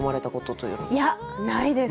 いやないです。